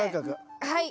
はい。